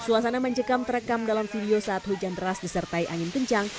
suasana mencekam terekam dalam video saat hujan deras disertai angin kencang